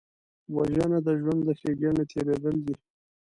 وژنه د ژوند له ښېګڼې تېرېدل دي